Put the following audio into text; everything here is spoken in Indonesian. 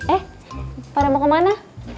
eh pada mau ke mana